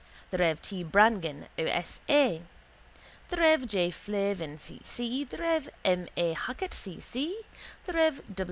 the rev. T. Brangan, O. S. A.; the rev. J. Flavin, C. C.; the rev. M. A. Hackett, C. C.; the rev.